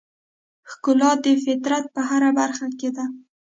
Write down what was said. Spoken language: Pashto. ښکلا د فطرت په هره برخه کې ده.